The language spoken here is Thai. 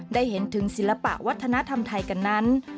ได้เห็นถึงศิลปะวัฒนธรรมไทยกันนั้น